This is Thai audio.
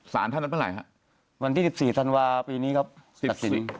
สารท่านนั้นเมื่อไหร่ฮะวันที่สิบสี่ธันวาคมปีนี้ครับสิบสี่